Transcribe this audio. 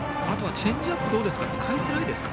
チェンジアップどうですか使いづらいですか？